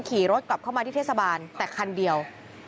ขี่รถกลับเข้ามาที่เทศบาลแต่คันเดียว